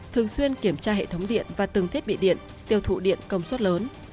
thường xuyên kiểm tra hệ thống điện và từng thiết bị điện tiêu thụ điện công suất lớn